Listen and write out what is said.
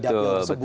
di dapil tersebut